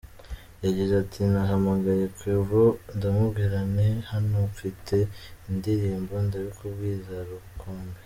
Yagize ati “Nahamagaye Quavo ndamubwira nti hano mfite indirimbo, ndabikubwiye izaba ubukombe.